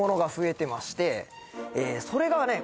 それがね